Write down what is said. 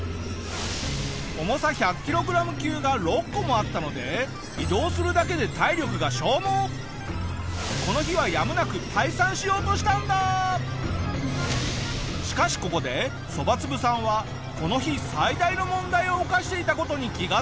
重さ１００キログラム級が６個もあったのでしかしここでそばつぶさんはこの日最大の問題を犯していた事に気がつくぞ！